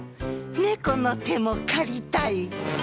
「ねこの手も借りたい」。